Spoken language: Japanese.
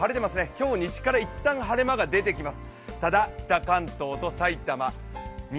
今日西からいったん晴れ間が出てきます。